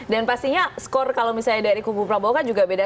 dan pastinya skor kalau misalnya dari kubu prabowo kan juga beda